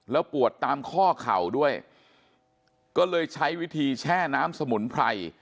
แล้วปวดตามข้อเข่าด้วยก็เลยใช้วิธีแช่น้ำสมุนไพร